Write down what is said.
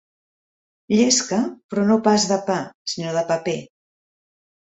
Llesca, però no pas de pa, sinó de paper.